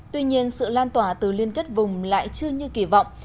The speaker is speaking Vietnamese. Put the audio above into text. tuy nhiên sự lan tỏa từ liên kết vùng lại chưa như kỳ vọng